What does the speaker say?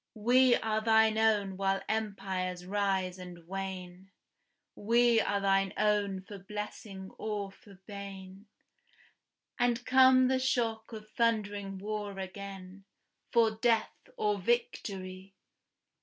We are thine own while empires rise and wane, We are thine own for blessing or for bane, And, come the shock of thundering war again, For death or victory!